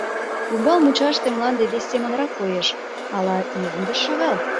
— Умбал мучаште мланде вес семынрак коеш, ала ӱяҥдыш шагал?